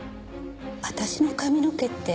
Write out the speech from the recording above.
私の髪の毛って。